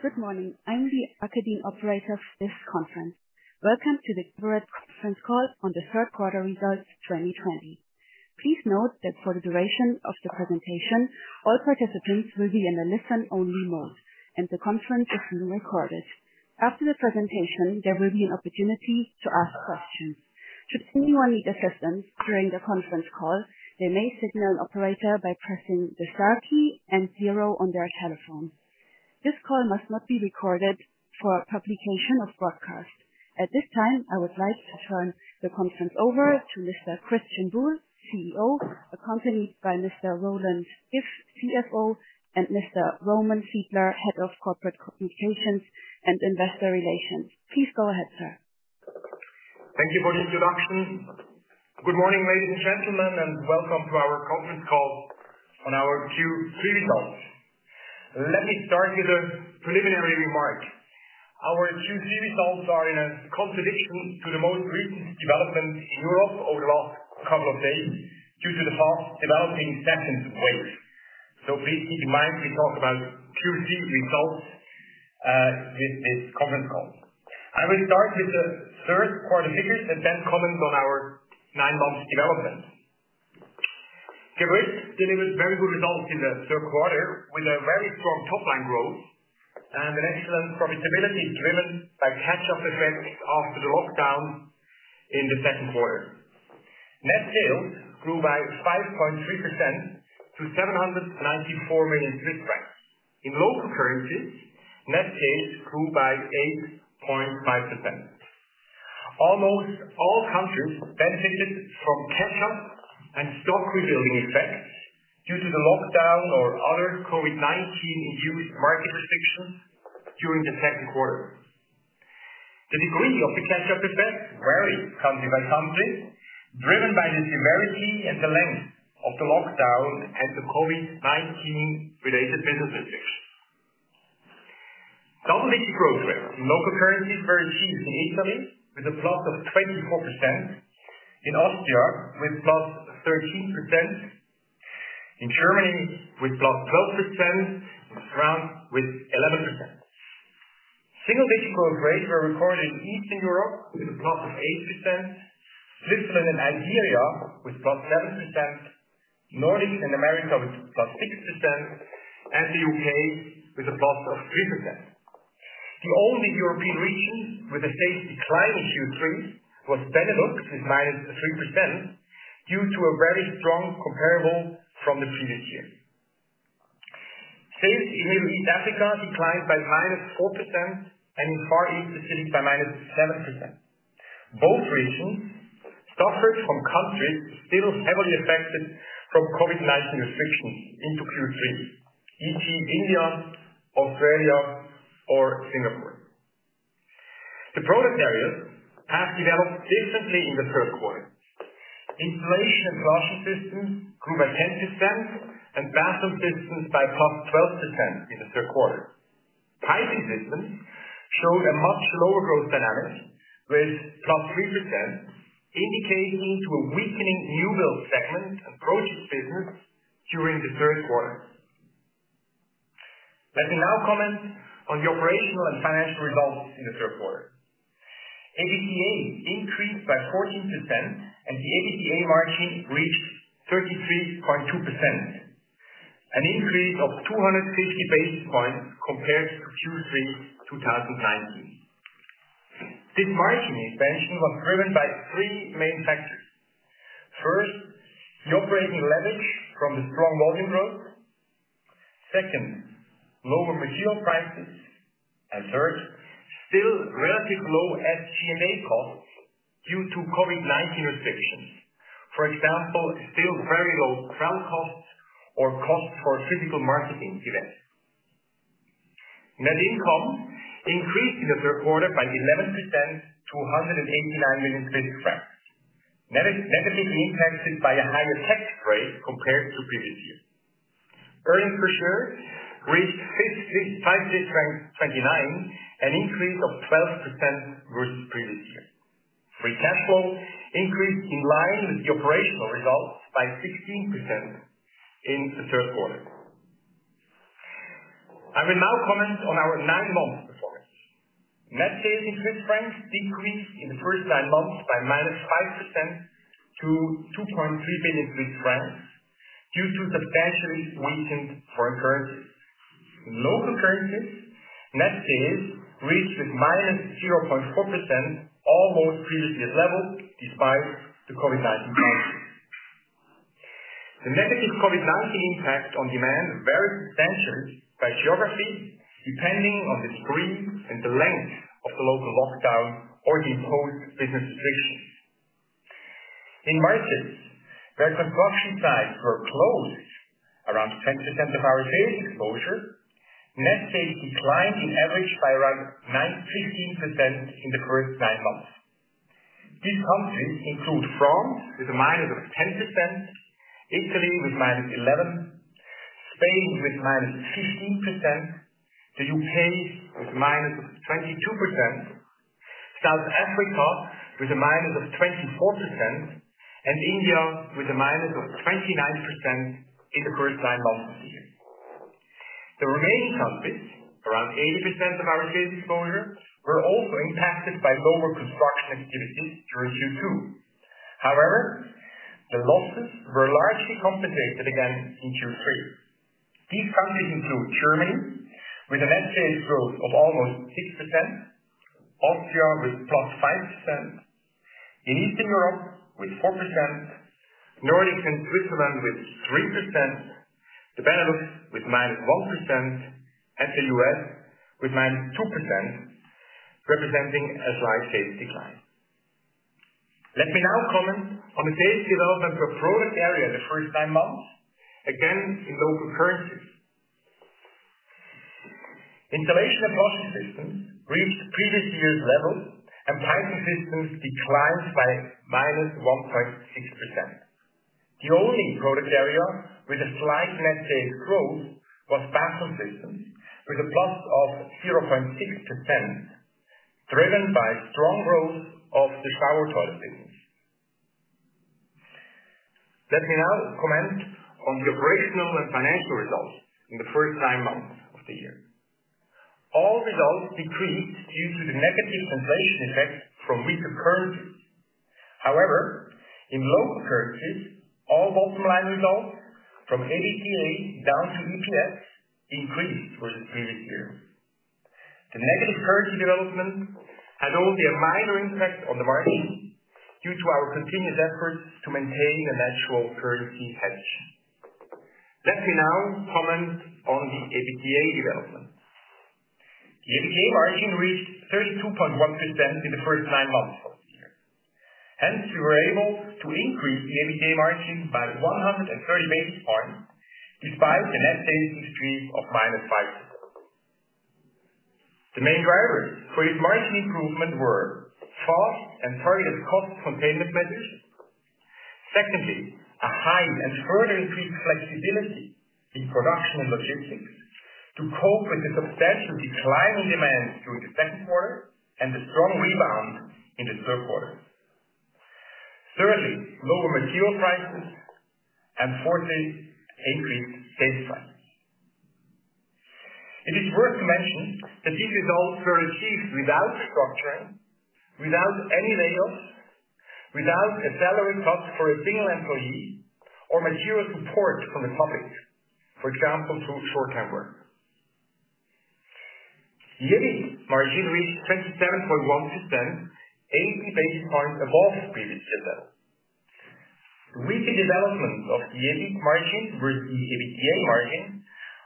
Good morning. I'm the Arkadin operator for this conference. Welcome to the Geberit Conference Call on the Third Quarter Results 2020. Please note that for the duration of the presentation, all participants will be in a listen-only mode, and the conference is being recorded. After the presentation, there will be an opportunity to ask questions. Should anyone need assistance during the conference call, they may signal an operator by pressing the star key and 0 on their telephone. This call must not be recorded for publication or broadcast. At this time, I would like to turn the conference over to Mr. Christian Buhl, CEO, accompanied by Mr. Roland Iff, CFO, and Mr. Roman Sidler, Head of Corporate Communications and Investor Relations. Please go ahead, sir. Thank you for the introduction. Good morning, ladies and gentlemen, and welcome to our conference call on our Q3 results. Let me start with a preliminary remark. Our Q3 results are in a contradiction to the most recent developments in Europe over the last couple of days due to the fast-developing second wave. Please keep in mind we talk about Q3 results in this conference call. I will start with the third quarter figures and then comment on our nine months development. Geberit delivered very good results in the third quarter with a very strong top-line growth and an excellent profitability driven by catch-up effects after the lockdown in the second quarter. Net sales grew by 5.3% to 794 million Swiss francs. In local currencies, net sales grew by 8.5%. Almost all countries benefited from catch-up and stock rebuilding effects due to the lockdown or other COVID-19-induced market restrictions during the second quarter. The degree of the catch-up effect varied country by country, driven by the severity and the length of the lockdown and the COVID-19 related business restrictions. Double-digit growth rates in local currencies were achieved in Italy with +24%, in Austria with +13%, in Germany with +12%, and France with 11%. Single-digit growth rates were recorded in Eastern Europe with +8%, Switzerland and Iberia with +7%, Nordic and America with +6%, and the U.K. with +3%. The only European region with a sales decline in Q3 was Benelux with -3% due to a very strong comparable from the previous year. Sales in Middle East Africa declined by -4% and in Far East Pacific by -7%. Both regions suffered from countries still heavily affected from COVID-19 restrictions into Q3, e.g., India, Australia, or Singapore. The product areas have developed differently in the third quarter. Installation and Flushing Systems grew by 10% and Bathroom Systems by +12% in the third quarter. Piping Systems showed a much lower growth dynamic with +3%, indicating to a weakening new build segment and projects business during the third quarter. Let me now comment on the operational and financial results in the third quarter. EBITDA increased by 14% and the EBITDA margin reached 33.2%, an increase of 250 basis points compared to Q3 2019. This margin expansion was driven by three main factors. First, the operating leverage from the strong volume growth. Second, lower material prices, and third, still relatively low SG&A costs due to COVID-19 restrictions. For example, still very low travel costs or costs for physical marketing events. Net income increased in the third quarter by 11% to 189 million Swiss francs, negatively impacted by a higher tax rate compared to previous year. Earnings per share reached 5.29, an increase of 12% versus previous year. Free cash flow increased in line with the operational results by 16% in the third quarter. I will now comment on our nine-month performance. Net sales in CHF decreased in the first nine months by -5% to 2.3 billion Swiss francs due to substantially weakened foreign currencies. In local currencies, net sales reached -0.4%, almost previous level despite the COVID-19 crisis. The negative COVID-19 impact on demand varied substantially by geography, depending on the degree and the length of the local lockdown or the imposed business restrictions. In markets where construction sites were closed, 10% of our sales exposure, net sales declined on average by 15% in the first nine months. These countries include France with -10%, Italy with -11%, Spain with -15%, the U.K. with -22%, South Africa with -24%, and India with -29% in the first nine months of the year. The remaining countries, 80% of our sales exposure, were also impacted by lower construction activities during Q2. However, the losses were largely compensated again in Q3. These countries include Germany with a net sales growth of almost 6%, Austria with +5%, in Eastern Europe with 4%, Nordic and Switzerland with 3%, the Benelux with -1%, and the U.S. with -2%, representing a slight sales decline. Let me now comment on the sales development per product area the first nine months, again, in local currencies. Installation and Flushing Systems reached previous year's level and Piping Systems declined by -1.6%. The only product area with a slight net sales growth was Bathroom Systems with a +0.6%, driven by strong growth of the shower toilet segments. Let me now comment on the operational and financial results in the first nine months of the year. All results decreased due to the negative translation effect from weaker currencies. However, in local currencies, all bottom line results from EBITDA down to EPS increased versus previous year. The negative currency development had only a minor impact on the margin due to our continuous efforts to maintain a natural currency hedge. Let me now comment on the EBITDA development. The EBITDA margin reached 32.1% in the first nine months of the year. We were able to increase the EBITDA margin by 130 basis points despite a net sales decrease of -5%. The main drivers for this margin improvement were first, targeted cost containment measures. Secondly, a high and further increased flexibility in production and logistics to cope with the substantial decline in demand during the second quarter and the strong rebound in the third quarter. Thirdly, lower material prices, and fourthly, increased sales price. It is worth mentioning that these results were achieved without restructuring, without any lay-offs, without a salary cut for a single employee, or material support from the public. For example, through short-time work. The EBIT margin reached 27.1%, 80 basis points above previous year level. Weaker development of the EBIT margin versus the EBITDA margin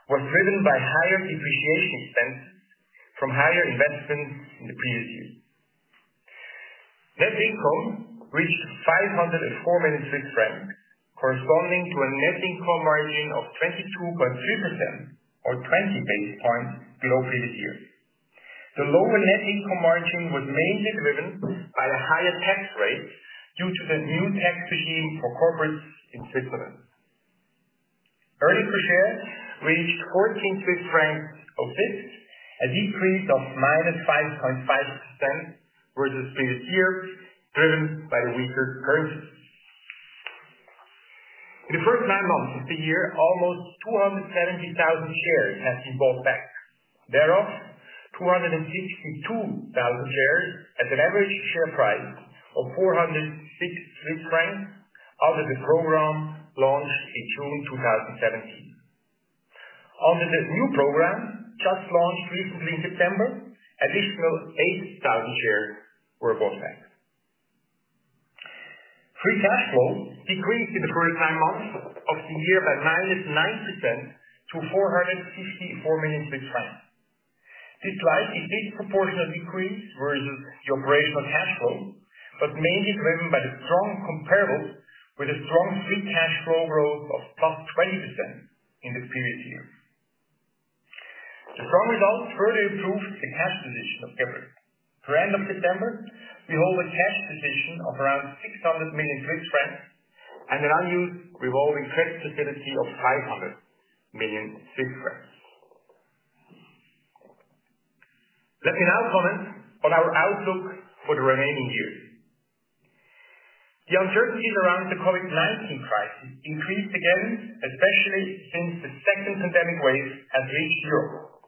was driven by higher depreciation expenses from higher investments in the previous years. Net income reached 504 million Swiss francs, corresponding to a net income margin of 22.3% or 20 basis points below previous year. The lower net income margin was mainly driven by the higher tax rate due to the new tax regime for corporates in Switzerland. Earnings per share reached 14 Swiss francs, a decrease of -5.5% versus previous year, driven by the weaker currencies. In the first nine months of the year, almost 270,000 shares have been bought back. Thereof, 262,000 shares at an average share price of 406 francs under the program launched in June 2017. Under the new program just launched recently in September, additional 8,000 shares were bought back. Free cash flow decreased in the first nine months of the year by -9% to CHF 454 million. This slightly disproportional decrease versus the operational cash flow, but mainly driven by the strong comparable with a strong free cash flow growth of +20% in the previous year. The strong results further improved the cash position of Geberit. For end of September, we hold a cash position of around 600 million Swiss francs and an unused revolving credit facility of 500 million Swiss francs. Let me now comment on our outlook for the remaining year. The uncertainties around the COVID-19 crisis increased again, especially since the second pandemic wave has reached Europe.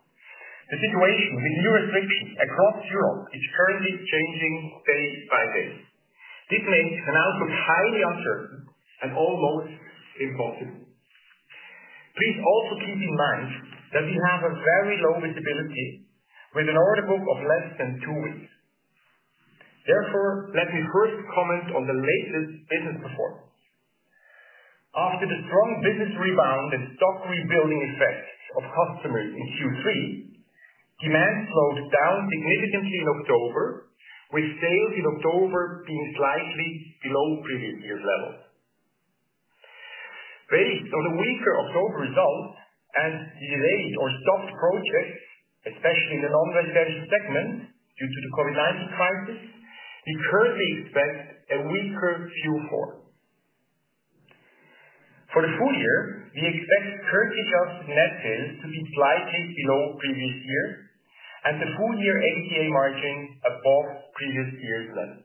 The situation with new restrictions across Europe is currently changing day by day. This makes an outlook highly uncertain and almost impossible. Please also keep in mind that we have a very low visibility with an order book of less than two weeks. Let me first comment on the latest business performance. After the strong business rebound and stock rebuilding effect of customers in Q3, demand slowed down significantly in October, with sales in October being slightly below previous year's level. Based on the weaker October results and delayed or stopped projects, especially in the non-residential segment due to the COVID-19 crisis, we currently expect a weaker Q4. For the full year, we expect Geberit net sales to be slightly below previous years and the full year EBITDA margin above previous year's level.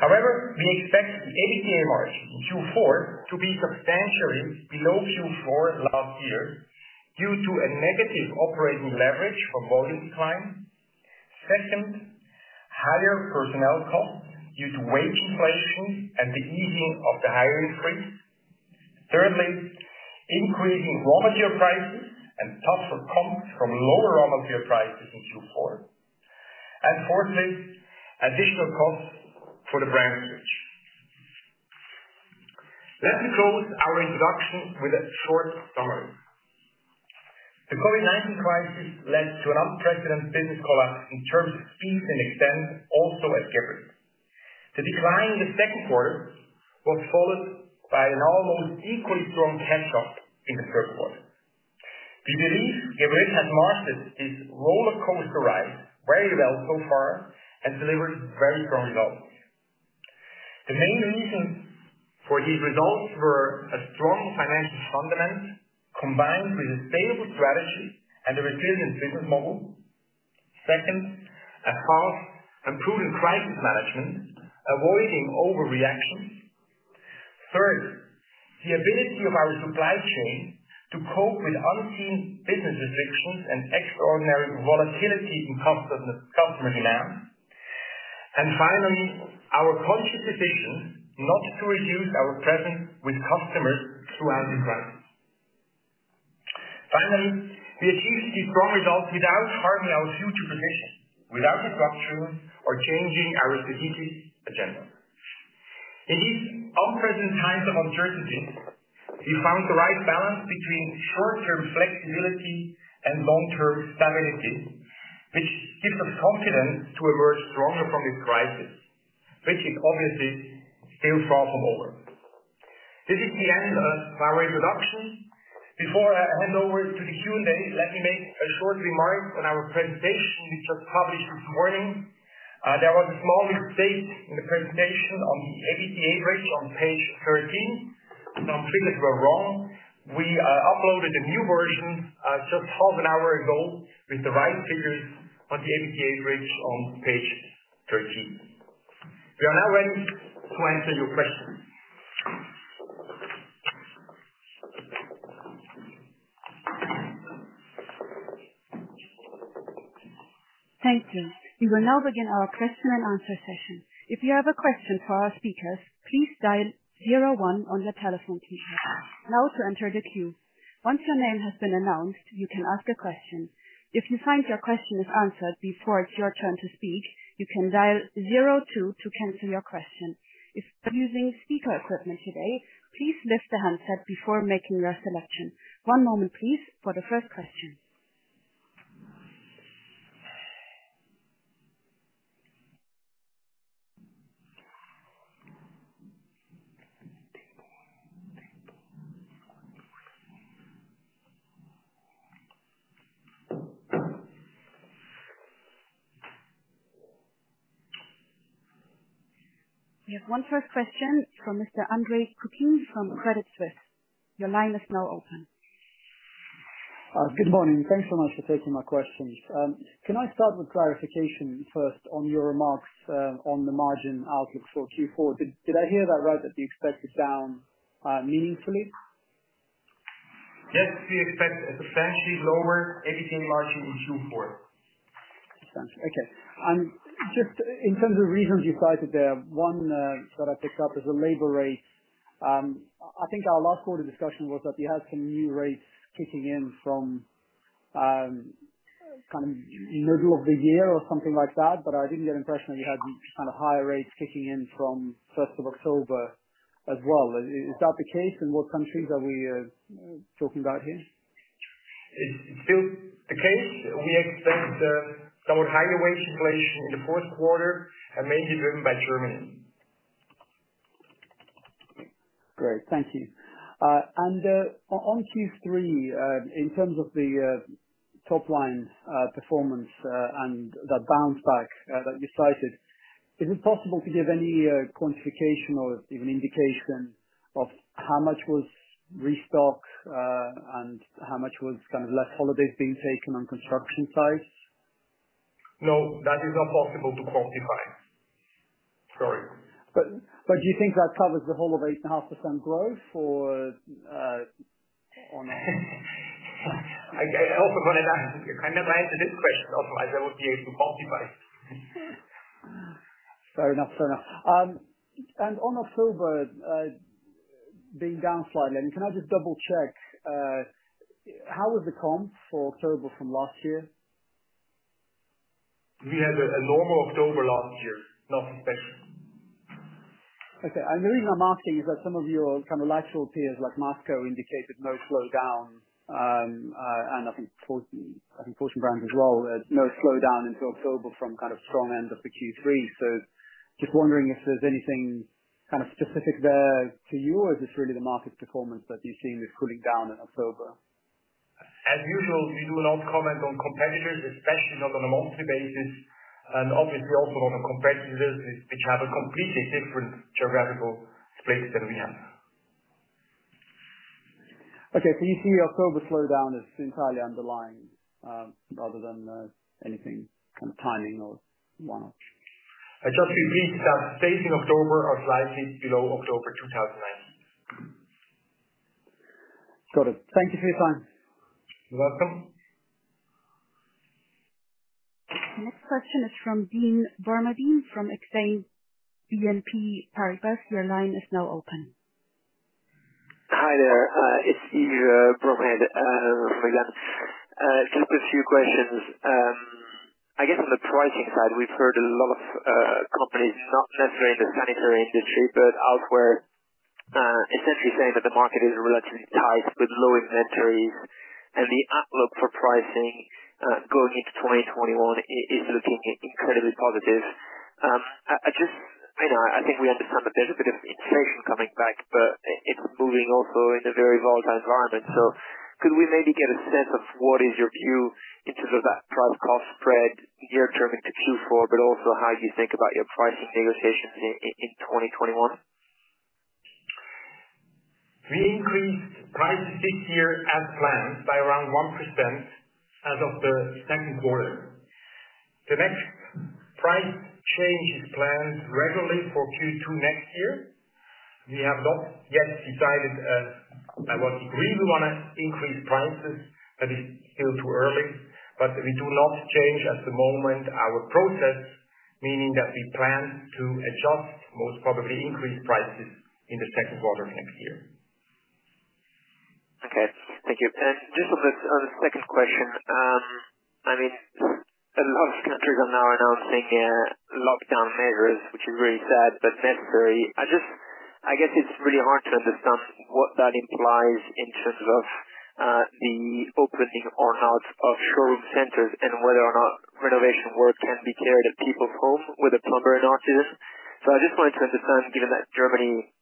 We expect the EBITDA margin in Q4 to be substantially below Q4 last year due to a negative operating leverage from volume decline. Second, higher personnel costs due to wage inflation and the easing of the hiring freeze. Thirdly, increasing raw material prices and tougher comps from lower raw material prices in Q4. Fourthly, additional costs for the brand switch. Let me close our introduction with a short summary. The COVID-19 crisis led to an unprecedented business collapse in terms of speed and extent, also at Geberit. The decline in the second quarter was followed by an almost equally strong catch-up in the third quarter. We believe Geberit has mastered this rollercoaster ride very well so far and delivered very strong results. The main reasons for these results were a strong financial fundament combined with a sustainable strategy and a resilient business model. Second, a calm and prudent crisis management, avoiding overreactions. Third, the ability of our supply chain to cope with unseen business restrictions and extraordinary volatility in customer demand. Finally, our conscious decision not to reduce our presence with customers throughout the crisis. Finally, we achieved these strong results without harming our future position, without restructuring or changing our strategic agenda. In these unprecedented times of uncertainty, we found the right balance between short-term flexibility and long-term stability, which gives us confidence to emerge stronger from this crisis, which is obviously still far from over. This is the end of my introduction. Before I hand over to the Q&A, let me make a short remark on our presentation we just published this morning. There was a small mistake in the presentation on the EBITDA bridge on page 13. Some figures were wrong. We uploaded a new version just half an hour ago with the right figures on the EBITDA bridge on page 13. We are now ready to answer your questions. Thank you. We will now begin our question and answer session. If you have a question for our speakers, please dial zero one on your telephone keypad now to enter the queue. Once your name has been announced, you can ask a question. If you find your question is answered before it's your turn to speak, you can dial zero two to cancel your question. If you're using speaker equipment today, please lift the handset before making your selection. One moment please for the first question. We have one first question from Mr. Andre Kukhnin from Credit Suisse. Your line is now open. Good morning. Thanks so much for taking my questions. Can I start with clarification first on your remarks on the margin outlook for Q4? Did I hear that right that you expect it down meaningfully? Yes, we expect a substantially lower EBITDA margin in Q4. Okay. Just in terms of reasons you cited there, one that I picked up is the labor rate. I think our last quarter discussion was that you had some new rates kicking in from kind of middle of the year or something like that, but I didn't get impression that you had kind of higher rates kicking in from 1st of October as well. Is that the case? In what countries are we talking about here? It's still the case. We expect some higher wage inflation in the fourth quarter and mainly driven by Germany. Great. Thank you. On Q3, in terms of the top line performance and that bounce back that you cited, is it possible to give any quantification or even indication of how much was restock, and how much was kind of less holidays being taken on construction sites? No, that is not possible to quantify. Sorry. Do you think that covers the whole of 8.5% growth or? I also wondered that. I never answered this question, otherwise I would be able to quantify. Fair enough. On October, being down slightly, can I just double-check, how was the comp for October from last year? We had a normal October last year. Nothing special. Okay. The reason I'm asking is that some of your kind of sectoral peers, like Masco, indicated no slowdown. I think Fortune Brands as well, had no slowdown into October from kind of strong end of the Q3. Just wondering if there's anything kind of specific there to you, or is this really the market performance that you're seeing is cooling down in October? As usual, we do not comment on competitors, especially not on a monthly basis. Obviously also on our competitors which have a completely different geographical split than we have. Okay. You see October slowdown as entirely underlying, rather than anything timing or whatnot? I just repeat that sales in October are slightly below October 2019. Got it. Thank you for your time. You're welcome. Next question is from Yves Bromehead from Exane BNP Paribas. Your line is now open. Hi there. It's Yves Bromehead. Just a few questions. I guess on the pricing side, we've heard a lot of companies, not necessarily in the sanitary industry but elsewhere, essentially saying that the market is relatively tight with low inventories and the outlook for pricing, going into 2021, is looking incredibly positive. I think we understand that there's a bit of inflation coming back, but it's moving also in a very volatile environment. Could we maybe get a sense of what is your view in terms of that price-cost spread near-term into Q4, but also how you think about your pricing negotiations in 2021? We increased prices this year as planned by around 1% as of the second quarter. The next price change is planned regularly for Q2 next year. We have not yet decided at what degree we want to increase prices, that is still too early, but we do not change at the moment our process, meaning that we plan to adjust, most probably increase prices in the second quarter next year. Okay, thank you. Just on the second question. A lot of countries are now announcing lockdown measures, which is really sad but necessary. I guess it's really hard to understand what that implies in terms of the opening or not of showroom centers and whether or not renovation work can be carried at people's home with a plumber in situ. I just wanted to understand, given that Germany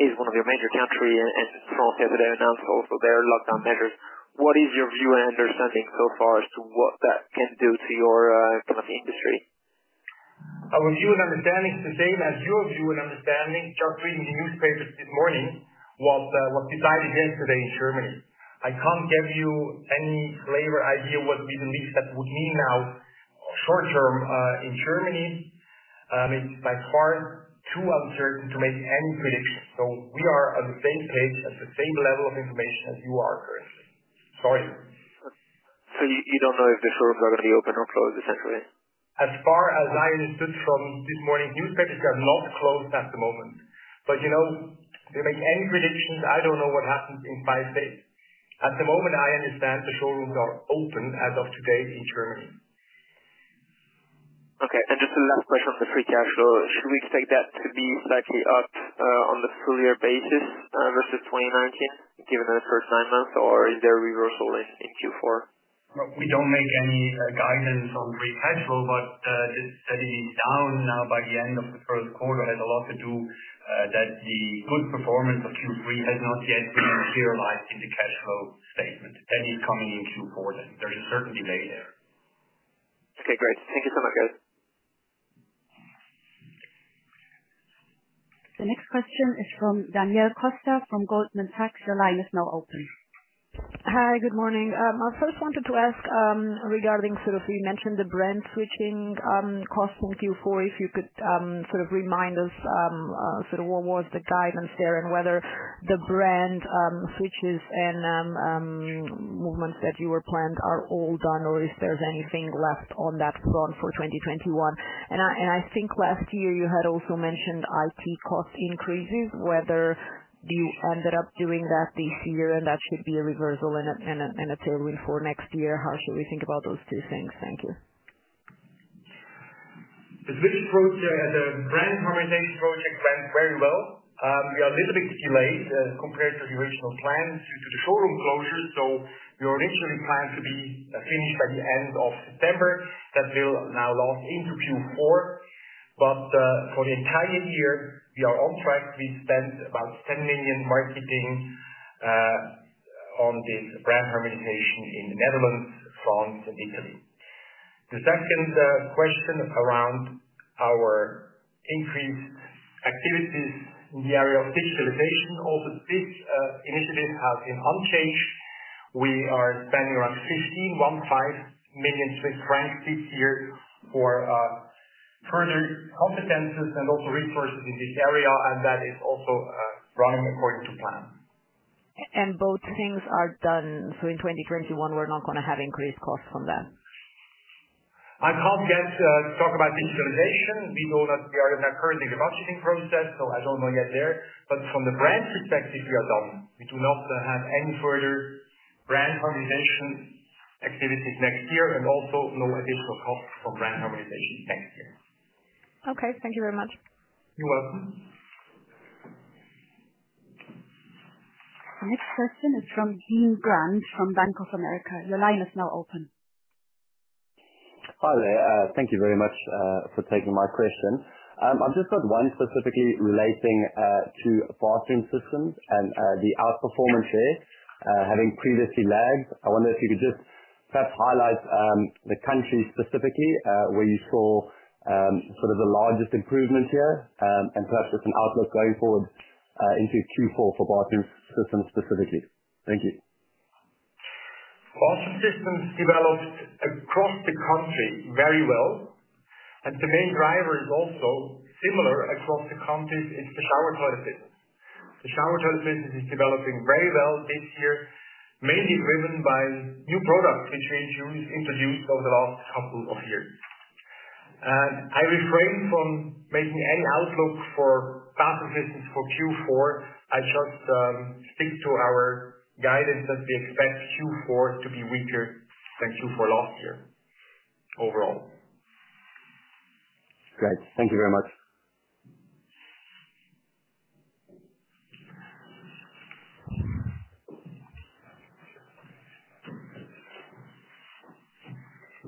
is one of your major country and France yesterday announced also their lockdown measures, what is your view and understanding so far as to what that can do to your part of the industry? Our view and understanding is the same as your view and understanding, just reading the newspapers this morning, what decided yesterday in Germany. I can't give you any flavor idea what these leaks that would mean now short-term, in Germany. It's by far too uncertain to make any predictions. We are on the same page, at the same level of information as you are currently. Sorry. You don't know if the showrooms are going to be open or closed essentially? As far as I understood from this morning's newspapers, they are not closed at the moment. To make any predictions, I don't know what happens in five days. At the moment, I understand the showrooms are open as of today in Germany. Okay. Just a last question on the free cash flow. Should we expect that to be slightly up, on the full year basis, versus 2019, given the first nine months? Is there a reversal in Q4? We don't make any guidance on free cash flow, this being down now by the end of the third quarter has a lot to do that the good performance of Q3 has not yet been crystallized in the cash flow statement. That is coming in Q4. There is a certain delay there. Okay, great. Thank you so much, guys. The next question is from Daniela Costa from Goldman Sachs. Your line is now open. Hi, good morning. I first wanted to ask regarding, you mentioned the brand switching costs in Q4, if you could remind us what was the guidance there and whether the brand switches and movements that you were planned are all done or if there's anything left on that front for 2021. I think last year you had also mentioned IT cost increases, whether you ended up doing that this year and that should be a reversal and a tailwind for next year. How should we think about those two things? Thank you. The brand harmonization project went very well. We are a little bit delayed compared to the original plan due to the showroom closures. We originally planned to be finished by the end of September. That will now last into Q4. For the entire year, we are on track to spend about 10 million marketing on this brand harmonization in the Netherlands, France, and Italy. The second question around our increased activities in the area of digitalization. Also, this initiative has been unchanged. We are spending around 15 million Swiss francs this year for further competencies and also resources in this area and that is also running according to plan. Both things are done, so in 2021, we're not going to have increased costs from that? I can't yet talk about digitalization. We know that we are in a currently negotiating process, so I don't want to get there. But from the brand perspective, we are done. We do not have any further brand harmonization activities next year and also no additional costs for brand harmonization next year. Okay. Thank you very much. You're welcome. The next question is from Dean Grant from Bank of America. Your line is now open. Hi there. Thank you very much for taking my question. I've just got one specifically relating to Bathroom Systems and the outperformance there, having previously lagged. I wonder if you could just perhaps highlight the countries specifically, where you saw the largest improvement here, and perhaps just an outlook going forward into Q4 for Bathroom Systems specifically. Thank you. Bathroom Systems developed across the country very well, and the main driver is also similar across the countries is the shower toilet business. The shower toilet business is developing very well this year, mainly driven by new products which we introduced over the last couple of years. I refrain from making any outlook for Bathroom Systems for Q4. I just speak to our guidance that we expect Q4 to be weaker than Q4 last year, overall. Great. Thank you very much.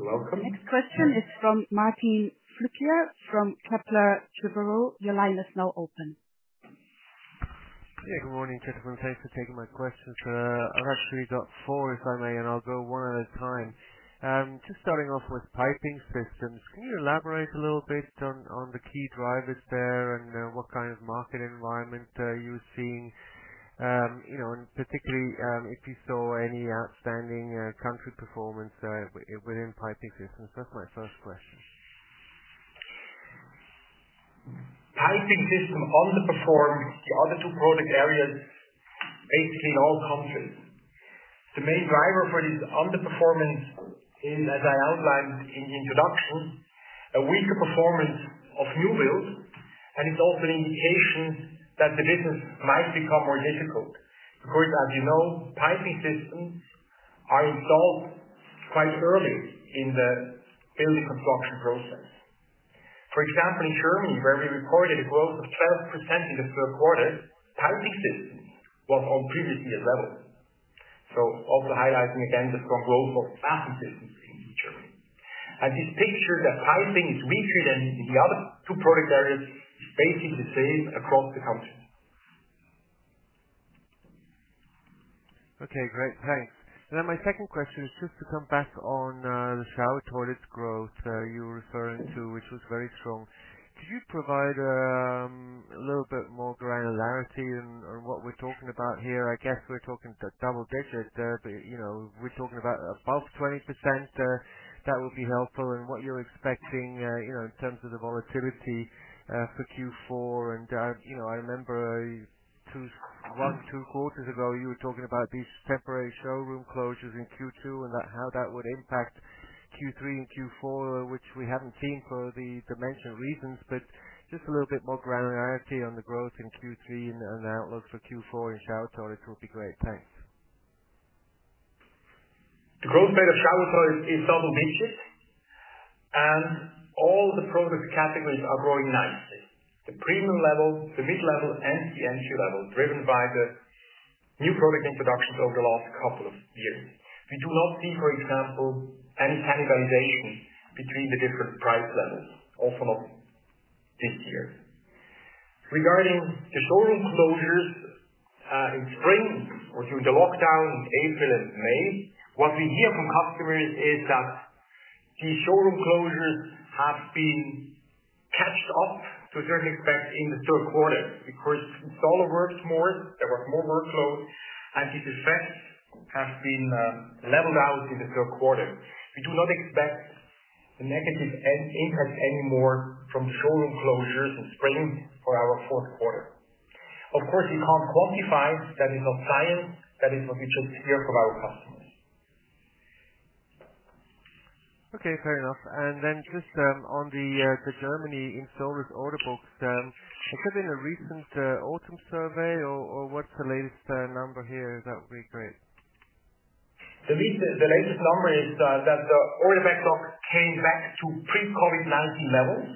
You're welcome. The next question is from Martin Flueckiger from Kepler Cheuvreux. Your line is now open. Yeah, good morning, everyone. Thanks for taking my questions. I've actually got four, if I may, and I'll go one at a time. Just starting off with Piping Systems, can you elaborate a little bit on the key drivers there and what kind of market environment are you seeing? Particularly, if you saw any outstanding country performance within Piping Systems. That's my first question. Piping System underperformed the other two product areas, basically in all countries. The main driver for this underperformance is, as I outlined in the introduction, a weaker performance of new builds, and it's also an indication that the business might become more difficult. As you know, Piping Systems are installed quite early in the building construction process. For example, in Germany, where we recorded a growth of 12% in the third quarter, Piping Systems was on previous year levels. Also highlighting again the strong growth of Bathroom Systems in Germany. This picture that Piping is weaker than the other two product areas is basically the same across the country. Okay, great. Thanks. Then my second question is just to come back on the shower toilet growth you were referring to, which was very strong. Could you provide a little bit more granularity on what we're talking about here? I guess we're talking double digits there, but are we talking about above 20%? That would be helpful and what you're expecting in terms of the volatility for Q4 and I remember one, two quarters ago, you were talking about these temporary showroom closures in Q2 and how that would impact Q3 and Q4, which we haven't seen for the mentioned reasons, but just a little bit more granularity on the growth in Q3 and outlook for Q4 in shower toilets would be great. Thanks. The growth rate of shower toilets is double digits. All the product categories are growing nicely. The premium level, the mid level, and the entry level, driven by the new product introductions over the last couple of years. We do not see, for example, any cannibalization between the different price levels, also not this year. Regarding the showroom closures, in spring or during the lockdown in April and May, what we hear from customers is that the showroom closures have been caught up to a certain extent in the third quarter, because installers worked more, there was more workloads, and this effect has been leveled out in the third quarter. We do not expect a negative impact anymore from showroom closures in spring for our fourth quarter. Of course, we can't quantify. That is not science. That is what we just hear from our customers. Okay, fair enough. Just on the Germany installers order books, has there been a recent autumn survey or what's the latest number here? That would be great. The latest number is that the order backlog came back to pre-COVID-19 levels.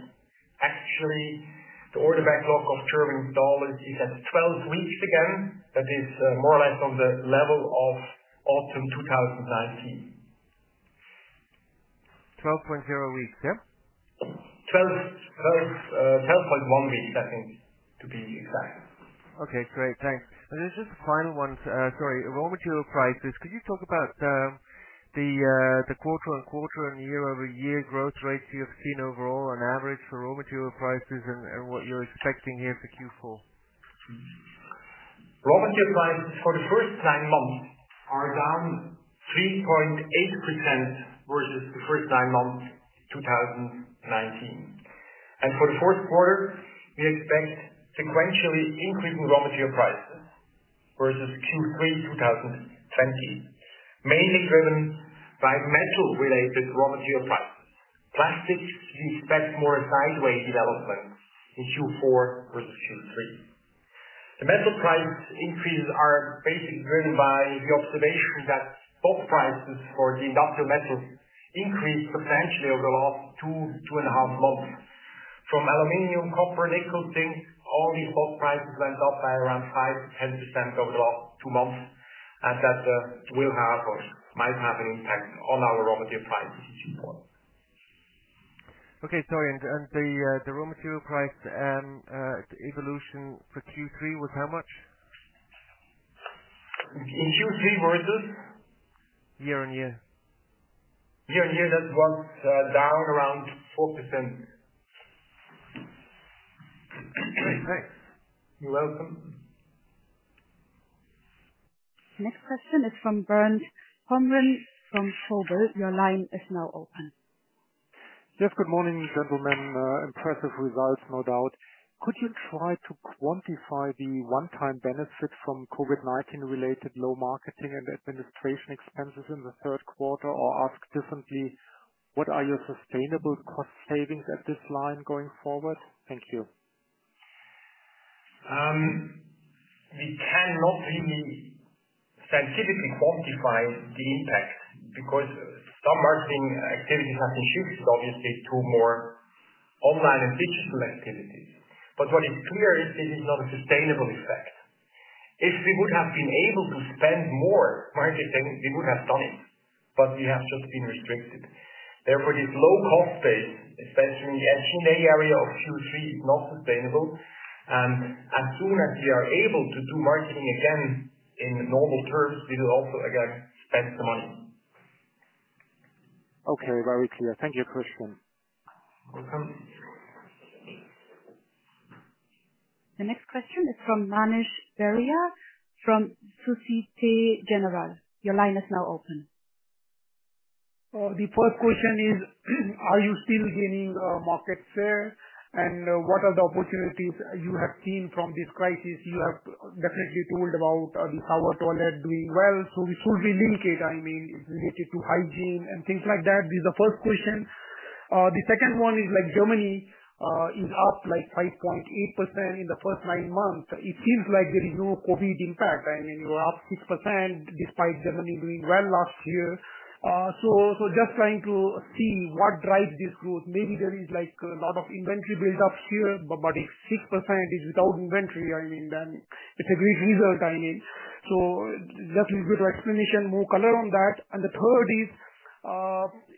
Actually, the order backlog of German installers is at 12 weeks again. That is more or less on the level of autumn 2019. 12.0 weeks, yeah? 12.1 weeks, I think, to be exact. Okay, great. Thanks. Just the final one. Sorry. Raw material prices. Could you talk about the quarter-on-quarter and year-over-year growth rates you have seen overall on average for raw material prices and what you're expecting here for Q4? Raw material prices for the first nine months are down 3.8% versus the first nine months 2019. For the fourth quarter, we expect sequentially increasing raw material prices versus Q3 2020, mainly driven by metal-related raw material prices. Plastics, we expect more sideways development in Q4 versus Q3. The metal price increases are basically driven by the observation that stock prices for the industrial metals increased substantially over the last two and a half months. From aluminum, copper, nickel, zinc, all these bulk prices went up by around 5%-10% over the last two months, that might have an impact on our raw material prices. Okay, sorry. The raw material price evolution for Q3 was how much? In Q3 versus? Year-over-year. Year-on-year, that was down around 4%. Thanks. You're welcome. Next question is from Bernd Pomrehn from Vontobel. Your line is now open. Yes. Good morning, gentlemen. Impressive results, no doubt. Could you try to quantify the one-time benefit from COVID-19 related low marketing and administration expenses in the third quarter? Ask differently, what are your sustainable cost savings at this line going forward? Thank you. We cannot really scientifically quantify the impact, because some marketing activities have been shifted, obviously, to more online and digital activities. What is clear is this is not a sustainable effect. If we would have been able to spend more marketing, we would have done it, but we have just been restricted. Therefore, this low-cost base, especially in the SG&A area of Q3, is not sustainable. As soon as we are able to do marketing again in normal terms, we will also, again, spend the money. Okay, very clear. Thank you, Christian. Welcome. The next question is from Manish Beria from Société Générale. Your line is now open. The first question is are you still gaining market share? What are the opportunities you have seen from this crisis? You have definitely told about the shower toilet doing well, so we should relate it, I mean, related to hygiene and things like that. This is the first question. The second one is Germany is up 5.8% in the first nine months. It seems like there is no COVID-19 impact. I mean, you're up 6% despite Germany doing well last year. Just trying to see what drives this growth. Maybe there is a lot of inventory build-up here, but if 6% is without inventory, I mean, then it's a great result. Just a little explanation, more color on that. The third is,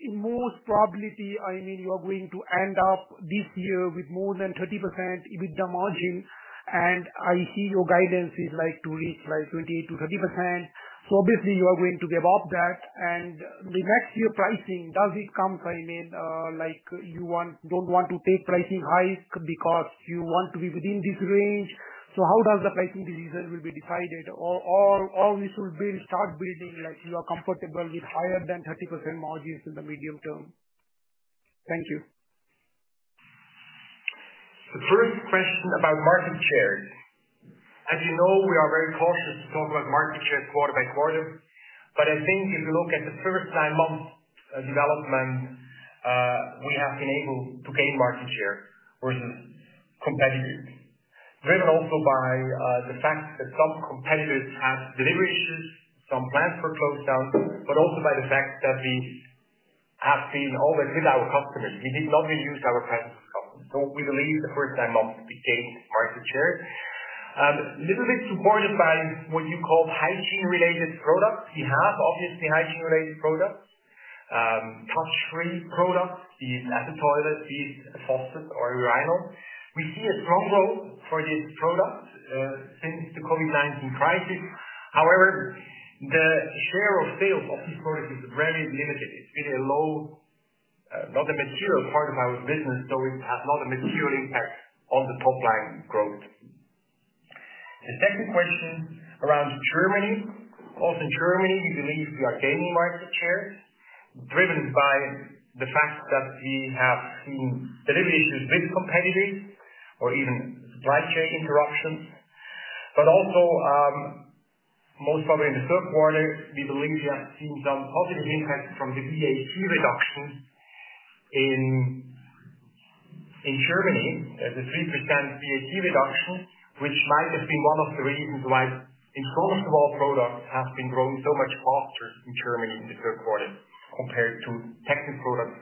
in most probability, I mean, you are going to end up this year with more than 30% EBITDA margin, and I see your guidance is to reach 28%-30%. Obviously, you are going to be above that, and the next year pricing, does it come, I mean, you don't want to take pricing hikes because you want to be within this range? How does the pricing decision will be decided? We should start building like you are comfortable with higher than 30% margins in the medium term? Thank you. The first question about market share. As you know, we are very cautious to talk about market share quarter by quarter. I think if you look at the first nine months development, we have been able to gain market share versus competitors. Driven also by the fact that some competitors have delivery issues, some plants were closed down, but also by the fact that we have been always with our customers. We did not refuse our customers. We believe the first nine months we gained market share. A little bit supported by what you call hygiene-related products. We have, obviously, hygiene-related products. Touch-free products, be it AquaClean, be it faucet or urinal. We see a strong growth for these products since the COVID-19 crisis. However, the share of sales of these products is very limited. It's been a low, not a material part of our business, so it has not a material impact on the top-line growth. The second question around Germany. Also in Germany, we believe we are gaining market share, driven by the fact that we have seen delivery issues with competitors or even supply chain interruptions. Also, most probably in the third quarter, we believe we have seen some positive impact from the VAT reduction in Germany. The 3% VAT reduction, which might have been one of the reasons why in-front-of-the-wall products have been growing so much faster in Germany in the third quarter compared to technical products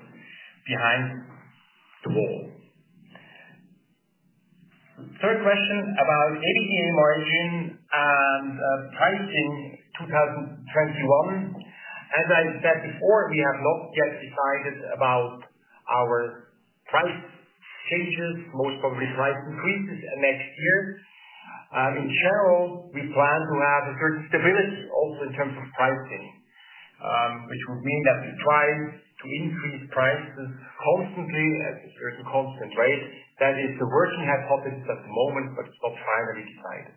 behind the wall. Third question about EBITDA margin and pricing 2021. As I said before, we have not yet decided about our price changes, most probably price increases next year. In general, we plan to have a certain stability also in terms of pricing, which would mean that we try to increase prices constantly at a certain constant rate. That is the version we have published at the moment, but it's not finally decided.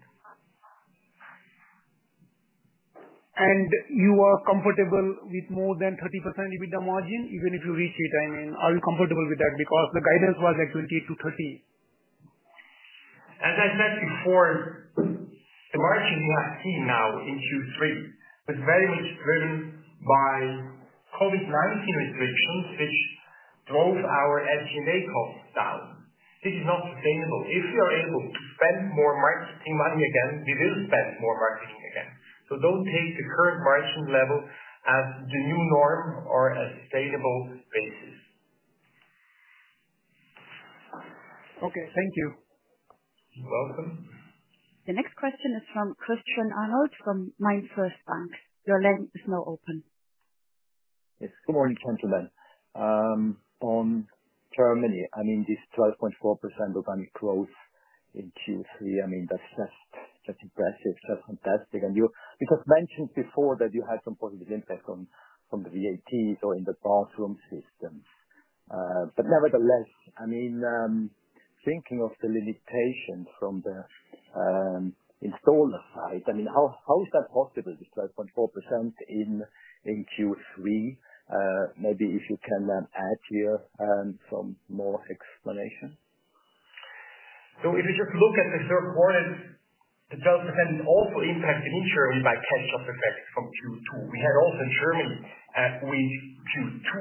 You are comfortable with more than 30% EBITDA margin, even if you reach it? I mean, are you comfortable with that? The guidance was at 28%-30%. As I said before, the margin we are seeing now in Q3 is very much driven by COVID-19 restrictions, which drove our SG&A costs down. This is not sustainable. If we are able to spend more marketing money again, we will spend more marketing again. Don't take the current margin level as the new norm or a sustainable basis. Okay. Thank you. You're welcome. The next question is from Christian Arnold from MainFirst Bank. Your line is now open. Yes. Good morning, gentlemen. On Germany, this 12.4% organic growth in Q3, that's just impressive. Just fantastic. You had mentioned before that you had some positive impact from the VAT or in the Bathroom Systems. Nevertheless, thinking of the limitations from the installer side, how is that possible, this 12.4% in Q3? Maybe if you can add here some more explanation. If you just look at the third quarter, it does have an awful impact in Germany by catch-up effect from Q2. We had also in Germany with Q2,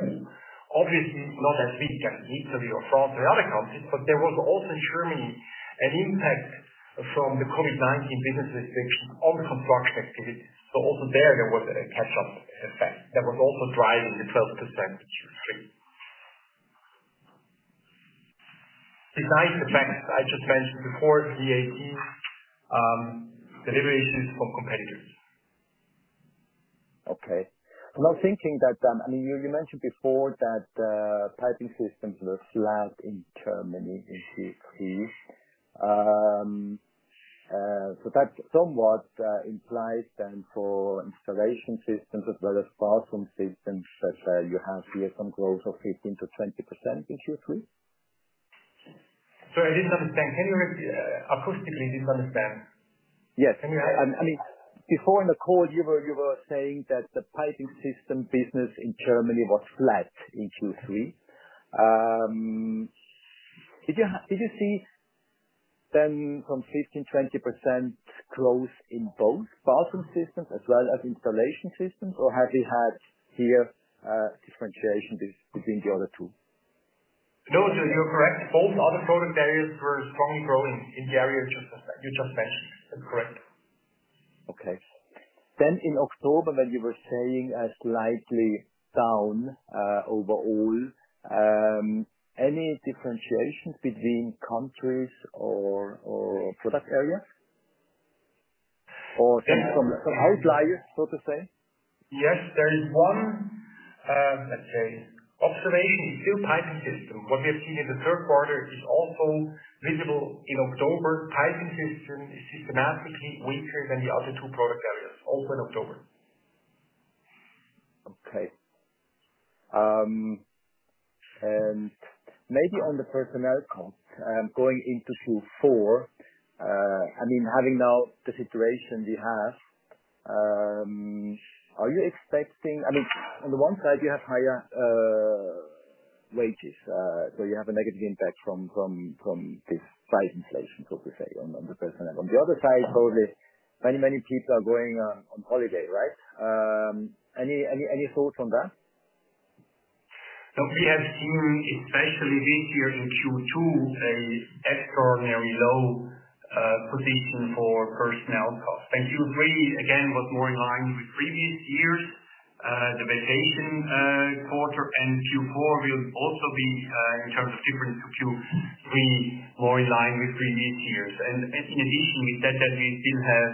obviously not as big as Italy or France or other countries, but there was also in Germany an impact from the COVID-19 business restrictions on construction activity. Also there was a catch-up effect that was also driving the 12% Q3. Besides the facts I just mentioned before, VAT, the delivery issues from competitors. Okay. I was thinking that, you mentioned before that the Piping Systems were flat in Germany in Q3. That somewhat implies then for Installation and Flushing Systems as well as Bathroom Systems, that you have here some growth of 15%-20% in Q3? Sorry, I didn't understand. Acoustically, I didn't understand. Yes. Before in the call, you were saying that the Piping Systems business in Germany was flat in Q3. Did you see some 15%-20% growth in both Bathroom Systems as well as Installation Systems, or have you had here a differentiation between the other two? No, you're correct. Both other product areas were strongly growing in the areas you just mentioned. That's correct. Okay. In October, when you were saying slightly down overall, any differentiations between countries or product areas? Some outliers, so to say? There is one observation in Piping Systems. What we have seen in the third quarter is also visible in October. Piping Systems is systematically weaker than the other two product areas, also in October. Okay. Maybe on the personnel cost, going into Q4, having now the situation we have. On the one side, you have higher wages, so you have a negative impact from this price inflation, so to say, on the personnel. On the other side, probably many people are going on holiday, right? Any thoughts on that? We have seen, especially this year in Q2, a extraordinarily low position for personnel costs. Q3, again, was more in line with previous years, the vacation quarter and Q4 will also be, in terms of difference to Q3, more in line with previous years. In addition, we said that we still have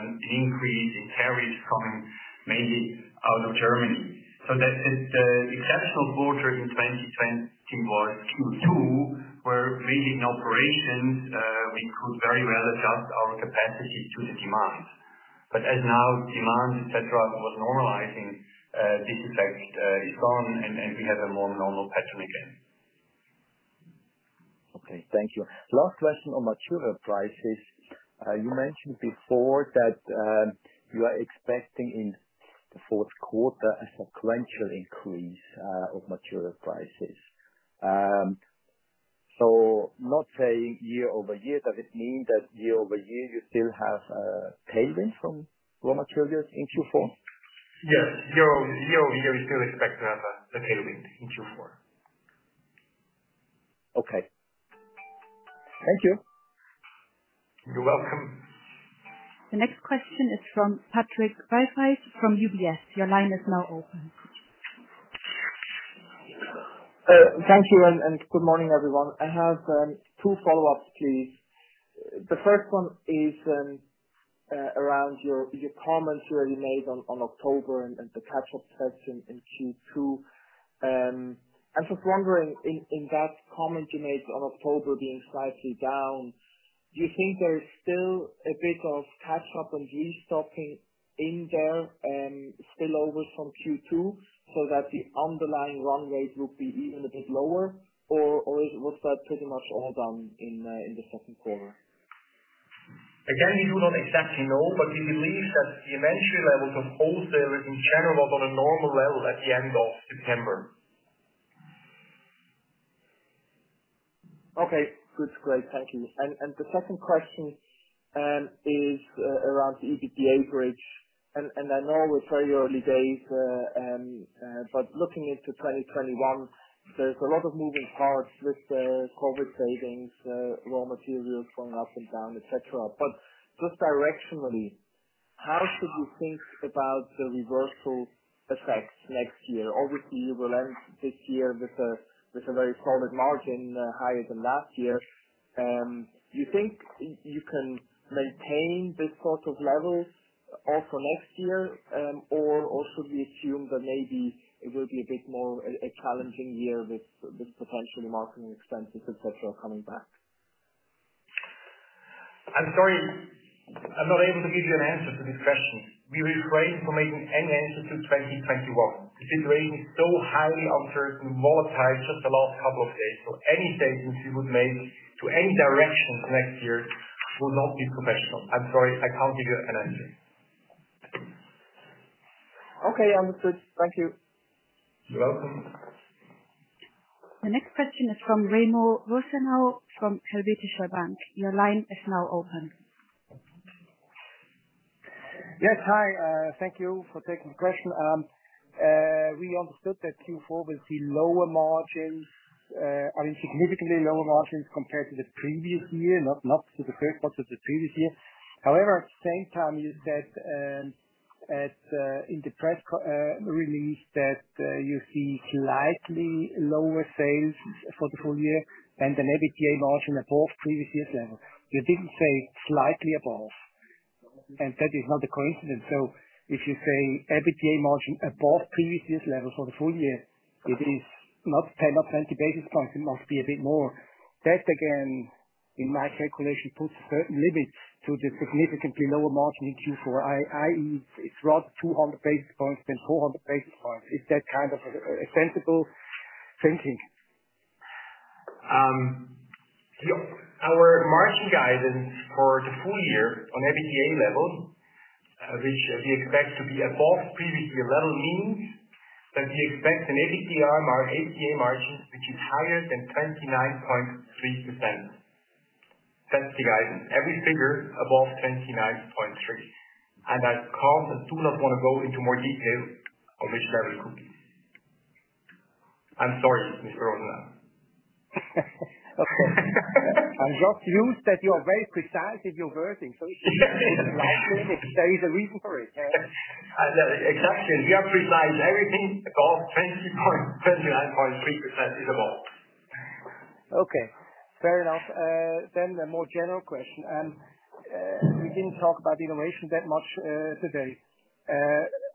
an increase in tariffs coming mainly out of Germany. That the exceptional quarter in 2020 was Q2, where really in operations, we could very well adjust our capacity to the demand. As now demand, et cetera, was normalizing, this effect is gone and we have a more normal pattern again. Okay. Thank you. Last question on material prices. You mentioned before that you are expecting in the fourth quarter a sequential increase of material prices. Not saying year-over-year, does it mean that year-over-year you still have a tailwind from raw materials in Q4? Yes. Year-over-year, we still expect to have a tailwind in Q4. Okay. Thank you. You're welcome. The next question is from Patrick Rafaisz from UBS. Your line is now open. Thank you, good morning, everyone. I have two follow-ups, please. The first one is around your comments you already made on October and the catch-up effect in Q2. I was just wondering, in that comment you made on October being slightly down, do you think there is still a bit of catch-up and restocking in there, still over from Q2, so that the underlying run rate would be even a bit lower? Was that pretty much all done in the second quarter? Again, we do not exactly know, but we believe that the inventory levels of wholesalers in general were on a normal level at the end of September. Okay. Good. Great. Thank you. The second question is around the EBITDA bridge. I know we're very early days, but looking into 2021, there's a lot of moving parts with the COVID savings, raw materials going up and down, et cetera. Just directionally, how should we think about the reversal effects next year? Obviously, you will end this year with a very solid margin, higher than last year. Do you think you can maintain this sort of level also next year? Or should we assume that maybe it will be a bit more a challenging year with potential marketing expenses, et cetera, coming back? I'm sorry, I'm not able to give you an answer to this question. We refrain from making any answers to 2021. The situation is so highly uncertain, more tied just the last couple of days. Any statement we would make to any direction for next year would not be professional. I'm sorry, I can't give you an answer. Okay, understood. Thank you. You're welcome. The next question is from Remo Rosenau from Helvetische Bank. Your line is now open. Yes. Hi. Thank you for taking the question. We understood that Q4 will see lower margins, I mean, significantly lower margins compared to the previous year, not to the first part of the previous year. However, at the same time, you said in the press release that you see slightly lower sales for the full year and an EBITDA margin above previous year's level. You didn't say slightly above. That is not a coincidence. If you say EBITDA margin above previous year's level for the full year, it is not 10, not 20 basis points. It must be a bit more. That, again, in my calculation, puts a certain limit to the significantly lower margin in Q4. I read it's rather 200 basis points than 400 basis points. Is that kind of a sensible thinking? Our margin guidance for the full year on EBITDA level, which we expect to be above previous year level, means that we expect an EBITDA margin which is higher than 29.3%. That's the guidance. Every figure above 29.3%. I can't and do not want to go into more detail on which level could be. I'm sorry, Mr. Rosenau. Okay. I'm not used that you are very precise with your wording, so- there is a reason for it. Exactly. We are precise. Everything above 29.3% is above. Okay, fair enough. A more general question. We didn't talk about innovation that much today.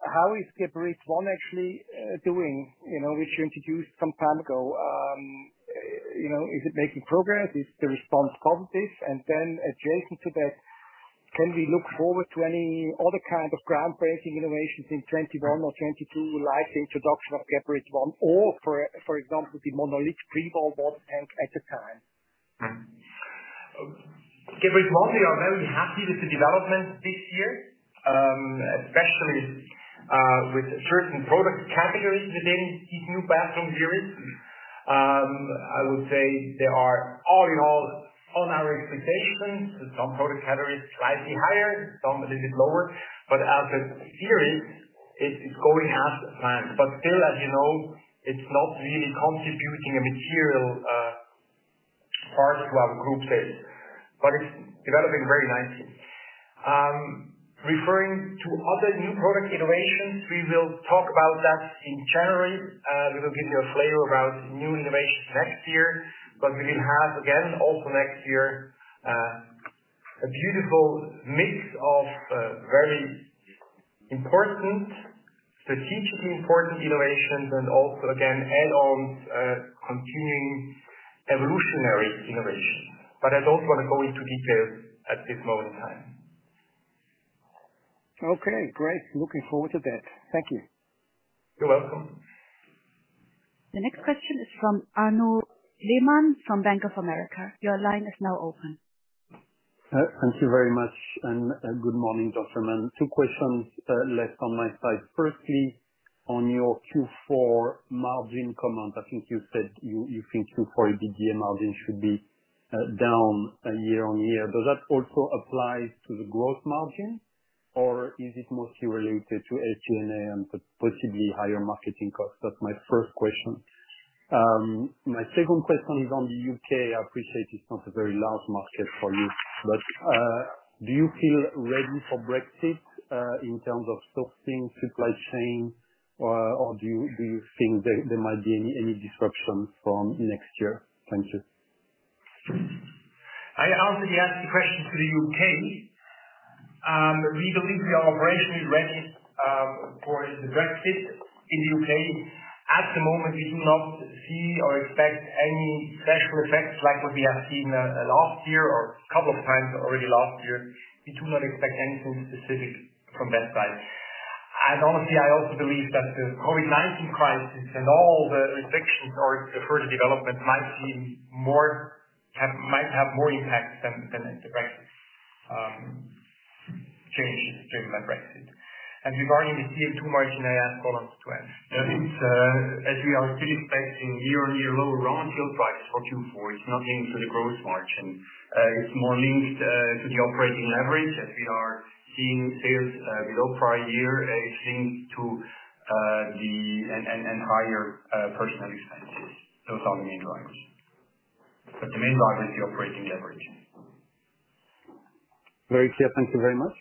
How is Geberit ONE actually doing, which you introduced some time ago? Is it making progress? Is the response positive? Adjacent to that, can we look forward to any other kind of groundbreaking innovations in 2021 or 2022, like the introduction of Geberit ONE or, for example, the Monolith freestanding flush tank at the time? Geberit ONE, we are very happy with the development this year. Especially, with certain product categories within these new bathroom series. I would say they are all in all on our expectations. Some product categories slightly higher, some a little bit lower. As a series, it's going as planned. Still, as you know, it's not really contributing a material part to our group sales. It's developing very nicely. Referring to other new product innovations, we will talk about that in January. We will give you a flavor about new innovations next year, but we will have, again, also next year, a beautiful mix of very strategically important innovations and also, again, add-ons, continuing evolutionary innovations. I don't want to go into details at this moment in time. Okay, great. Looking forward to that. Thank you. You're welcome. The next question is from Arnaud Lehmann from Bank of America. Your line is now open. Thank you very much. Good morning, gentlemen. Two questions left on my side. Firstly, on your Q4 margin comment, I think you said you think Q4 EBITDA margin should be down year-on-year. Does that also apply to the gross margin, or is it mostly related to SG&A and possibly higher marketing costs? That's my first question. My second question is on the U.K. I appreciate it's not a very large market for you, but do you feel ready for Brexit, in terms of sourcing, supply chain, or do you think there might be any disruptions from next year? Thank you. I already answered the question to the U.K. We believe we are operationally ready for the Brexit in the U.K. At the moment, we do not see or expect any special effects like what we have seen last year or couple of times already last year. We do not expect anything specific from that side. Honestly, I also believe that the COVID-19 crisis and all the restrictions or the further development might have more impact than the Brexit. Changes during that Brexit. Regarding the Q4 margin, I ask Roland to answer. As we are still expecting year-on-year lower raw material prices for Q4, it's not linked to the gross margin. It's more linked to the operating leverage as we are seeing sales below prior year, linked to the and higher personnel expenses. Those are the main drivers. The main driver is the operating leverage. Very clear. Thank you very much.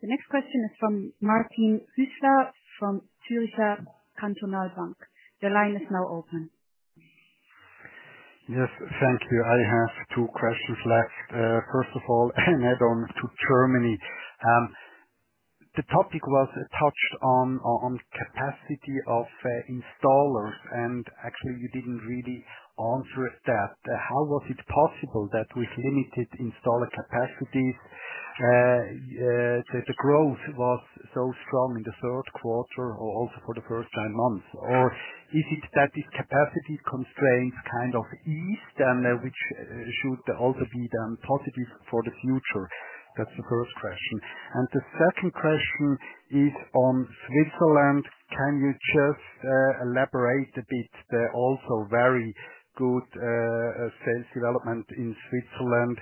The next question is from Martin Hüsler from Zürcher Kantonalbank. The line is now open. Yes. Thank you. I have two questions left. First of all, an add-on to Germany. The topic was touched on capacity of installers, and actually, you didn't really answer that. How was it possible that with limited installer capacities, the growth was so strong in the third quarter or also for the first nine months? Is it that this capacity constraint kind of eased, which should also be then positive for the future? That's the first question. The second question is on Switzerland. Can you just elaborate a bit there also, very good sales development in Switzerland?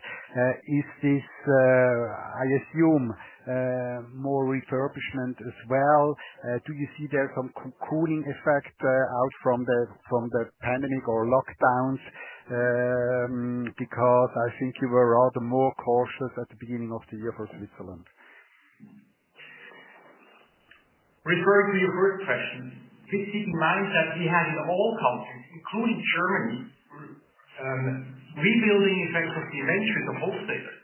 Is this, I assume, more refurbishment as well? Do you see there some cooling effect out from the pandemic or lockdowns? I think you were rather more cautious at the beginning of the year for Switzerland. Referring to your first question, please keep in mind that we had in all countries, including Germany, rebuilding effects of inventories of wholesalers.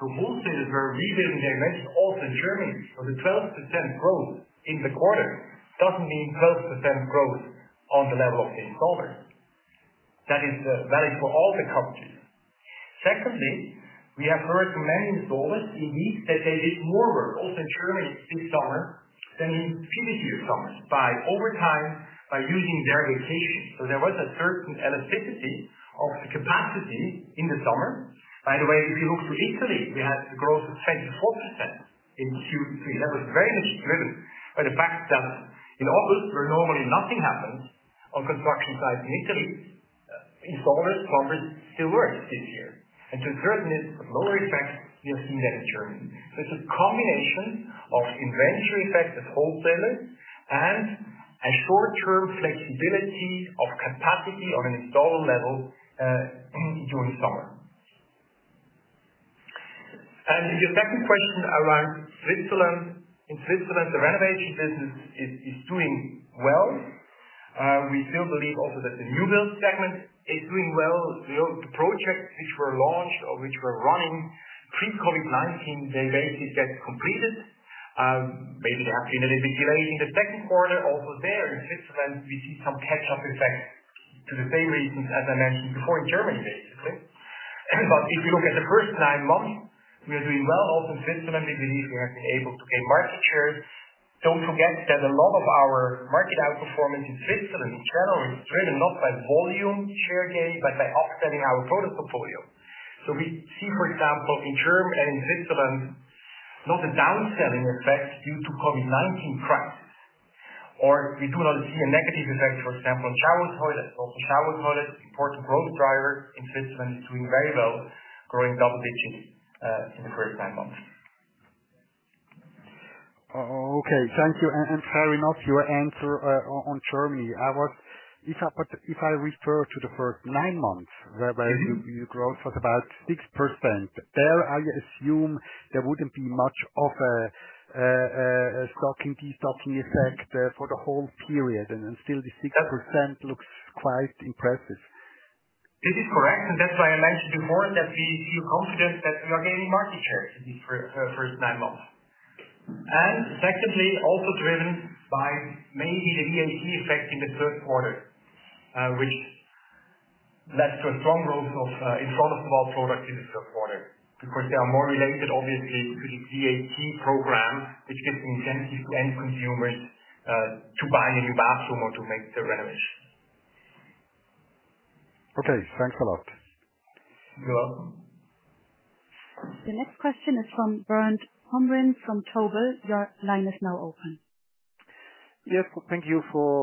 Wholesalers were rebuilding their inventories also in Germany. The 12% growth in the quarter doesn't mean 12% growth on the level of installers. That is valid for all the countries. Secondly, we have heard from many installers in meetings that they did more work, also in Germany this summer, than in previous years' summers, by overtime, by using their vacations. There was a certain elasticity of the capacity in the summer. By the way, if you look to Italy, we had growth of 24% in Q3. That was very much driven by the fact that in August, where normally nothing happens on construction sites in Italy, installers, plumbers still worked this year. To a certain extent, similar effects you see that in Germany. It's a combination of inventory effects of wholesalers and a short-term flexibility of capacity on an installer level during summer. To your second question around Switzerland. In Switzerland, the renovation business is doing well. We still believe also that the new build segment is doing well. The projects which were launched or which were running pre COVID-19, they basically get completed. Maybe they have been a little bit delayed in the second quarter. Also there in Switzerland, we see some catch-up effects for the same reasons as I mentioned before in Germany, basically. If you look at the first nine months, we are doing well also in Switzerland. We believe we have been able to gain market shares. Don't forget that a lot of our market outperformance in Switzerland in general is driven not by volume share gain, but by upselling our product portfolio. We see, for example, in Germany and in Switzerland, not a downselling effect due to COVID-19 crisis. We do not see a negative effect, for example, on shower toilets. Also shower toilets, important growth driver in Switzerland, is doing very well, growing double digits, in the first nine months. Okay. Thank you, and fair enough, your answer on Germany. If I refer to the first nine months, whereby your growth was about 6%, there I assume there wouldn't be much of a stocking, de-stocking effect for the whole period, and still the 6% looks quite impressive. This is correct, that's why I mentioned before that we feel confident that we are gaining market shares in the first nine months. Secondly, also driven by mainly the VAT effect in the third quarter, which led to a strong growth of installers of our products in the third quarter, because they are more related obviously to the VAT program, which gives an incentive to end consumers to buy a new bathroom or to make the renovation. Okay, thanks a lot. You're welcome. The next question is from Bernd Pomrehn from Vontobel. Your line is now open. Yes. Thank you for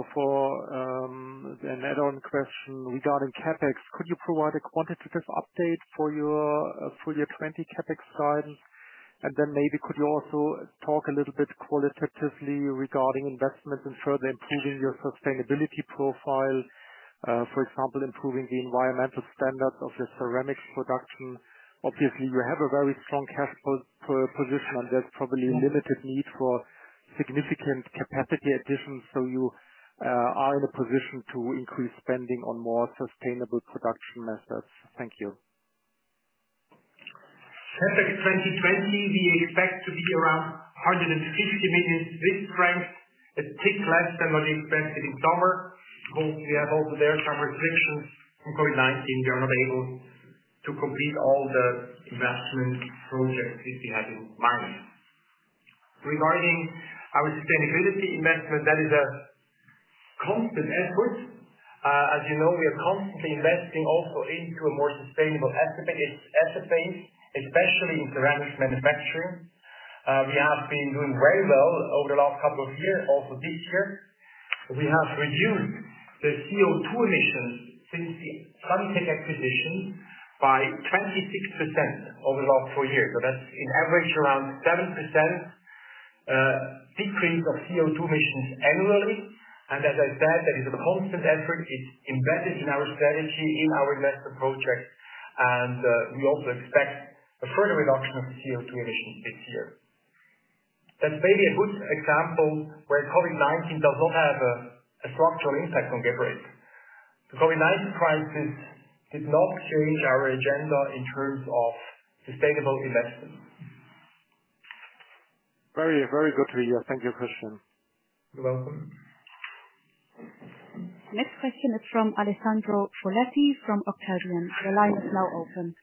an add-on question regarding CapEx. Could you provide a quantitative update for your full year 2020 CapEx guidance? Then maybe could you also talk a little bit qualitatively regarding investments in further improving your sustainability profile? For example, improving the environmental standards of the ceramics production. Obviously, you have a very strong cash flow position, and there's probably limited need for significant capacity additions, so you are in a position to increase spending on more sustainable production methods. Thank you. CapEx 2020, we expect to be around 150 million CHF, a tick less than what we expected in summer. Of course, we have also there some restrictions from COVID-19. We are not able to complete all the investment projects which we had in mind. Regarding our sustainability investment, that is a constant effort. As you know, we are constantly investing also into a more sustainable asset base, especially in ceramics manufacturing. We have been doing very well over the last couple of years, also this year. We have reduced the CO2 emissions since the Sanitec acquisition by 26% over the last four years. That's an average around 7% decrease of CO2 emissions annually. As I said, that is a constant effort. It's embedded in our strategy, in our investment projects, and we also expect a further reduction of CO2 emissions this year. That's maybe a good example where COVID-19 does not have a structural impact on Geberit. The COVID-19 crisis did not change our agenda in terms of sustainable investment. Very good to hear. Thank you, Christian. You're welcome. The next question is from Alessandro Foletti from Octavian. The line is now open.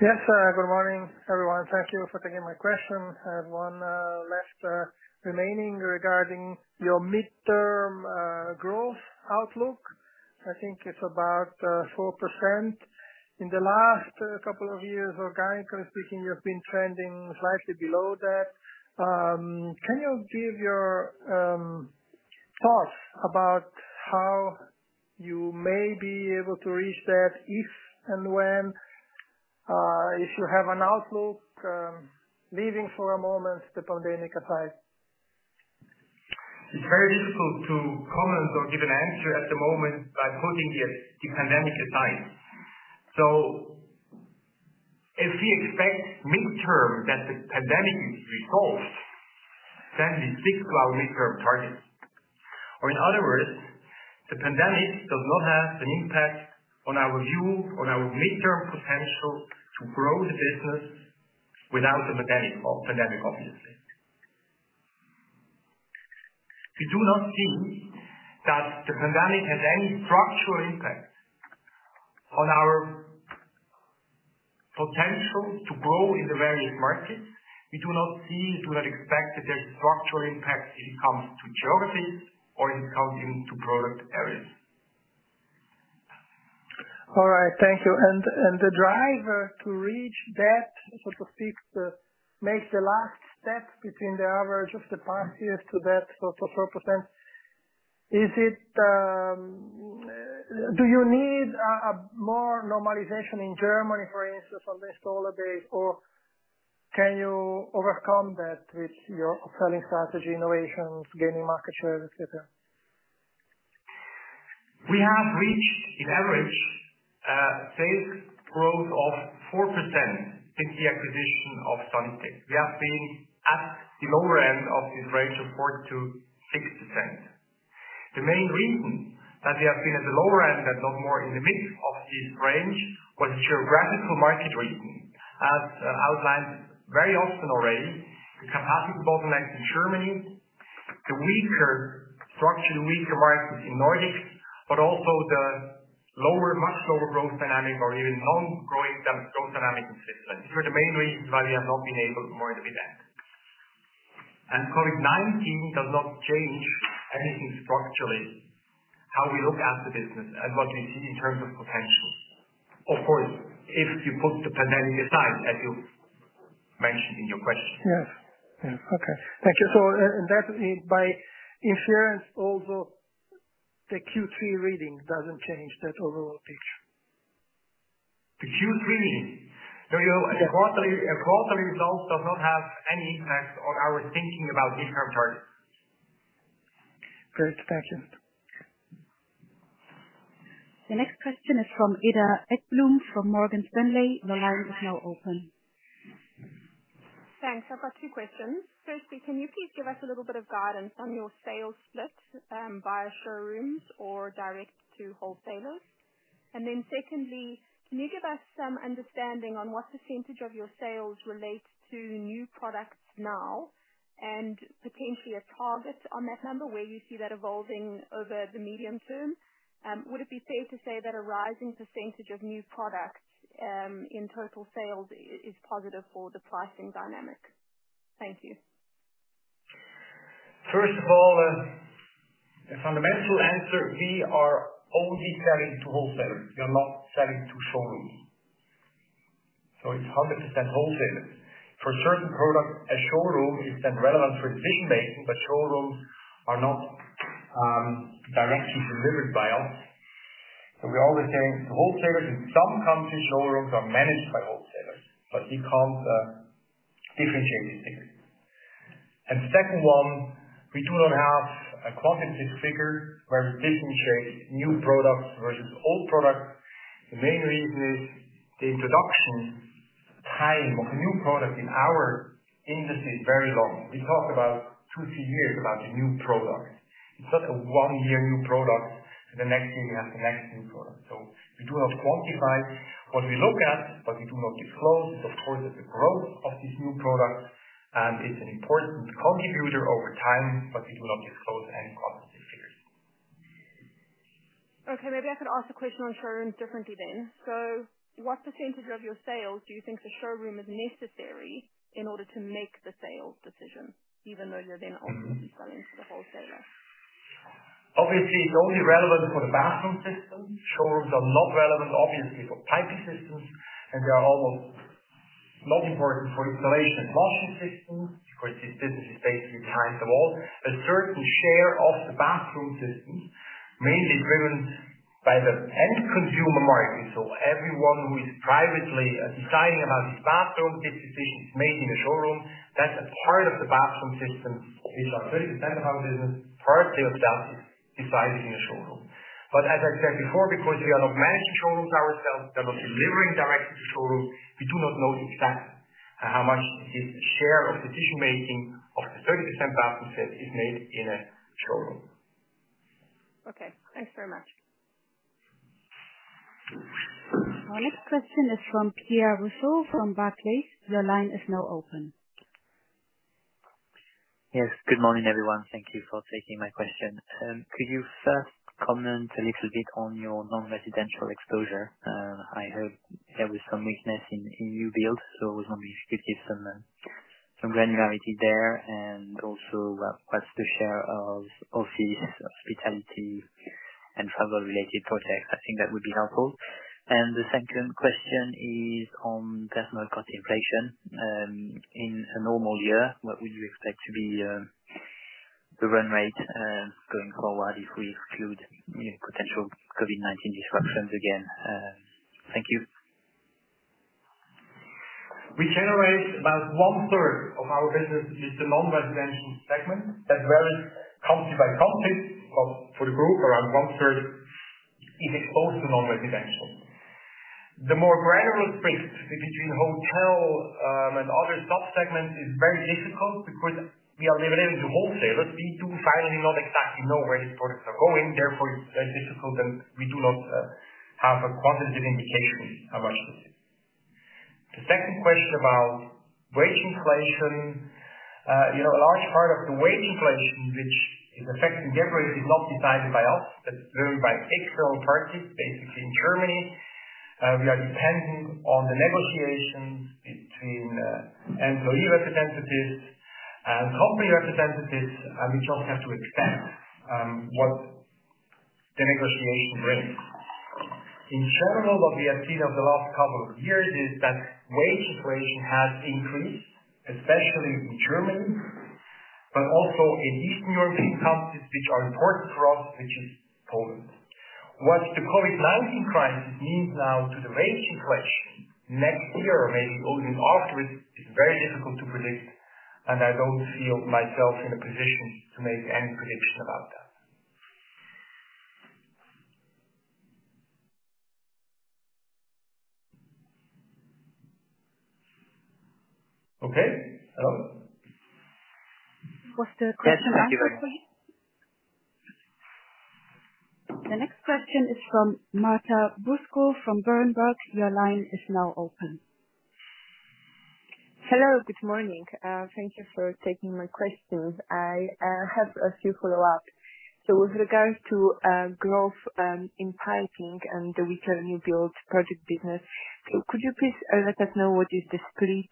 Yes. Good morning, everyone. Thank you for taking my question. I have one last remaining regarding your midterm growth outlook. I think it's about 4%. In the last couple of years, organically speaking, you've been trending slightly below that. Can you give your thoughts about how you may be able to reach that, if and when, if you have an outlook, leaving for a moment the pandemic aside. It's very difficult to comment or give an answer at the moment by putting the pandemic aside. If we expect midterm that the pandemic is resolved, then we stick to our midterm targets. In other words, the pandemic does not have an impact on our view, on our midterm potential to grow the business without the pandemic, obviously. We do not see that the pandemic has any structural impact on our potential to grow in the various markets. We do not expect that there's structural impact it comes to geography or it comes into product areas. All right. Thank you. The driver to reach that sort of makes the last step between the average of the past years to that sort of 4%. Do you need more normalization in Germany, for instance, on the installer base, or can you overcome that with your upselling strategy, innovations, gaining market share, et cetera? We have reached an average sales growth of 4% since the acquisition of Sanitec. We have been at the lower end of this range of 4%-6%. The main reason that we have been at the lower end and not more in the mid of this range was geographical market reason. As outlined very often already, the capacity bottlenecks in Germany, the weaker structure, the weaker markets in Nordics, but also the much lower growth dynamic or even non-growing growth dynamic in Switzerland. These were the main reasons why we have not been able more at the end. COVID-19 does not change anything structurally, how we look at the business and what we see in terms of potentials. Of course, if you put the pandemic aside, as you mentioned in your question. Yes. Okay. Thank you. That by inference, although the Q3 reading doesn't change that overall picture. The Q3 reading. A quarter result does not have any impact on our thinking about midterm targets. Good. Thank you. The next question is from Cedar Ekblom from Morgan Stanley. The line is now open. Thanks. I've got two questions. Firstly, can you please give us a little bit of guidance on your sales split, via showrooms or direct to wholesalers? Secondly, can you give us some understanding on what % of your sales relates to new products now and potentially a target on that number, where you see that evolving over the medium term? Would it be fair to say that a rising % of new products in total sales is positive for the pricing dynamic? Thank you. First of all, a fundamental answer. We are only selling to wholesalers. We are not selling to showrooms. It's 100% wholesalers. For certain products, a showroom is then relevant for exhibition making, but showrooms are not directly delivered by us. We're always saying wholesalers. In some countries, showrooms are managed by wholesalers, but you can't differentiate this figure. Second one, we do not have a quantitative figure where we differentiate new products versus old products. The main reason is the introduction time of a new product in our industry is very long. We talk about two, three years about a new product. It's not a one-year new product, and the next year we have the next new product. We do not quantify what we look at, but we do not disclose. Of course, it's a growth of these new products, and it's an important contributor over time, but we do not disclose any quantitative figures. Maybe I could ask the question on showrooms differently then. What % of your sales do you think the showroom is necessary in order to make the sales decision, even though they're then ultimately selling to the wholesaler? Obviously, it's only relevant for the Bathroom Systems. Showrooms are not relevant, obviously, for Piping Systems, and they are almost not important for Installation and Flushing Systems. Of course, this business is basically behind the wall. A certain share of the Bathroom Systems, mainly driven by the end consumer market. Everyone who is privately deciding about his bathroom, this decision is made in the showroom. That's a part of the Bathroom Systems, which are 30% of our business, part thereof is decided in the showroom. As I said before, because we are not managing showrooms ourselves, we are not delivering directly to showrooms, we do not know exactly how much the share of decision-making of the 30% Bathroom Systems is made in a showroom. Okay, thanks very much. Our next question is from Pierre Rousseau from Barclays. The line is now open. Yes. Good morning, everyone. Thank you for taking my question. Could you first comment a little bit on your non-residential exposure? I heard there was some weakness in new build, so it would be good to give some granularity there and also what's the share of office hospitality and travel related projects. I think that would be helpful. The second question is on personnel cost inflation. In a normal year, what would you expect to be the run rate going forward if we exclude potential COVID-19 disruptions again? Thank you. We generate about one third of our business with the non-residential segment. That varies country by country, but for the group, around 1/3 is exposed to non-residential. The more granular split between hotel and other sub-segments is very difficult because we are delivering to wholesalers. We do finally not exactly know where these products are going, therefore it's very difficult, and we do not have a positive indication how much is it. The second question about wage inflation. A large part of the wage inflation which is affecting Geberit is not decided by us, but driven by external parties. Basically in Germany, we are dependent on the negotiations between employee representatives and company representatives. We just have to accept what the negotiation brings. In general, what we have seen over the last couple of years is that wage inflation has increased, especially in Germany, but also in Eastern European countries which are important for us, which is Poland. What the COVID-19 crisis means now to the wage inflation next year or maybe even afterwards, is very difficult to predict, and I don't feel myself in a position to make any prediction about that. Okay. Hello? Was the question answered for you? Yes, thank you very much. The next question is from Marta Bruska from Berenberg. Your line is now open. Hello. Good morning. Thank you for taking my questions. I have a few follow-ups. With regards to growth in piping and the return new build project business, could you please let us know what is the split,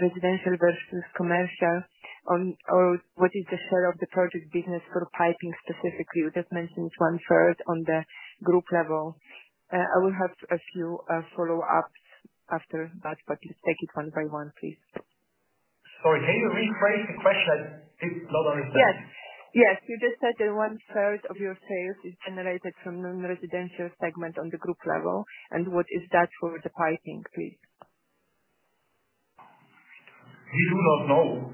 residential versus commercial? What is the share of the project business for piping specifically? You just mentioned one third on the group level. I will have a few follow-ups after that, let's take it one by one, please. Sorry, can you rephrase the question? I did not understand. Yes. You just said that one third of your sales is generated from non-residential segment on the group level, and what is that for the piping, please? We do not know.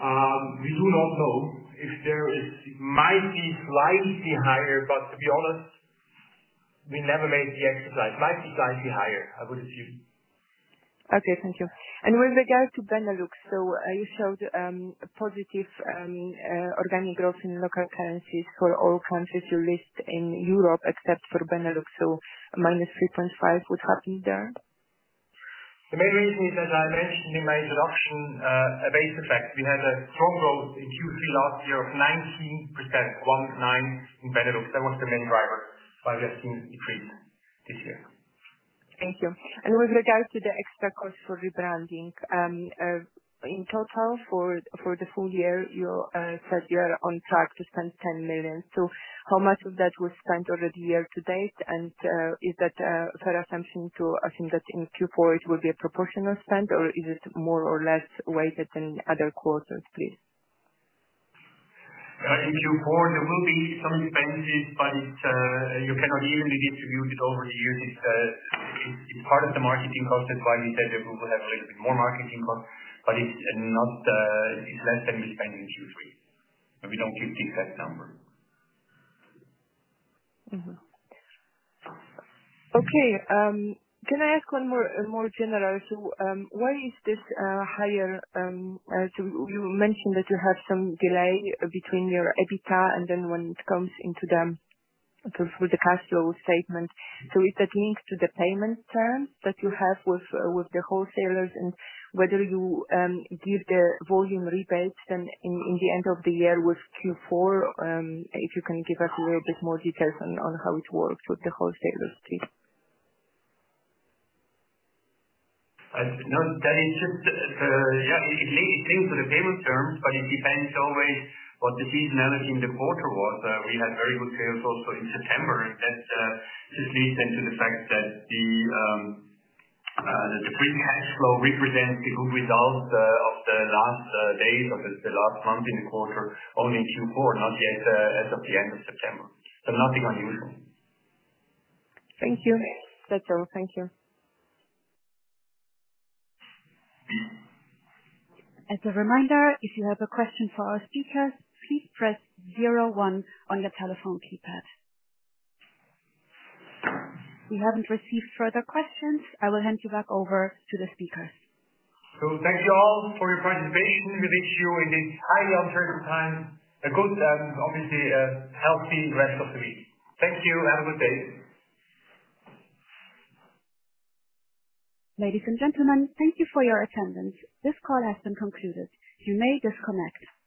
We do not know. It might be slightly higher, but to be honest, we never made the exercise. Might be slightly higher, I would assume. Okay, thank you. With regard to Benelux, you showed positive organic growth in local currencies for all countries you list in Europe except for Benelux. -3.5%, what happened there? The main reason is, as I mentioned in my introduction, a base effect. We had a strong growth in Q3 last year of 19%, one nine, in Benelux. That was the main driver. We have seen decrease this year. Thank you. With regards to the extra cost for rebranding, in total for the full year, you said you are on track to spend 10 million. How much of that was spent already year to date? Is that a fair assumption to assume that in Q4 it will be a proportional spend, or is it more or less weighted than other quarters, please? In Q4, there will be some expenses, but you cannot evenly distribute it over the year. It's part of the marketing cost. That's why we said that we will have a little bit more marketing cost, but it's less than we spent in Q3, and we don't give the exact number. Okay. Can I ask one more general? You mentioned that you have some delay between your EBITDA and then when it comes into the cash flow statement. Is that linked to the payment terms that you have with the wholesalers and whether you give the volume rebates then in the end of the year with Q4? If you can give us a little bit more details on how it works with the wholesalers, please. No, that is just. Yeah, it links to the payment terms, but it depends always what the seasonality in the quarter was. We had very good sales also in September. That just leads then to the fact that the free cash flow represents the good results of the last days of the last month in the quarter only in Q4, not yet as of the end of September. Nothing unusual. Thank you. That's all. Thank you. As a reminder, if you have a question for our speakers, please press zero one on your telephone keypad. We haven't received further questions. I will hand you back over to the speakers. Thank you all for your participation. We wish you in this highly uncertain time a good and obviously a healthy rest of the week. Thank you, and good day. Ladies and gentlemen, thank you for your attendance. This call has been concluded. You may disconnect.